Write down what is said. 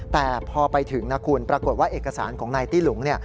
แต่พอไปถึงนะคุณปรากฏว่าเอกสารของนายตี้หลุง